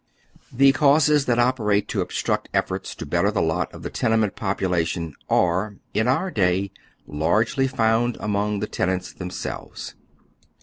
The causes that operate to obstruct efforts to better the lot of the tenement population are, in onr day, large ly found among the tenants themselves.